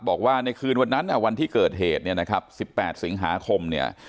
บอกว่าในคืนวันนั้นวันที่เกิดเหตุ๑๘สิงหาคม